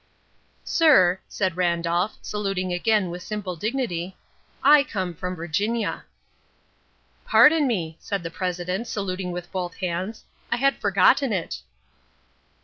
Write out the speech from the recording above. "Sir," said Randolph, saluting again with simple dignity, "I come from Virginia." "Pardon me," said the President, saluting with both hands, "I had forgotten it."